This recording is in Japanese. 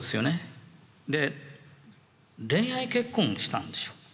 で恋愛結婚をしたんでしょう。